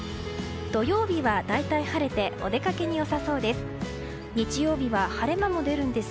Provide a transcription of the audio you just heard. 土曜日は大体晴れてお出かけに良さそうです。